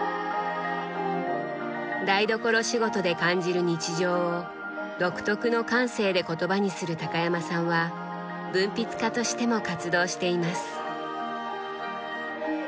台所仕事で感じる日常を独特の感性で言葉にする高山さんは文筆家としても活動しています。